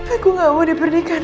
aku gak mau di pernikahan